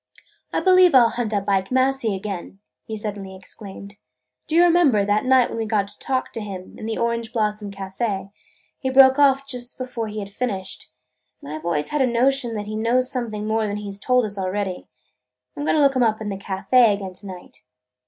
"I believe I 'll hunt up Ike Massey again!" he suddenly exclaimed. "Do you remember, that night when we got him to talk, in the Orange Blossom Café, he broke off before he had finished, and I 've always had a notion that he knows something more than he 's told us already. I 'm going to look him up in the café again to night."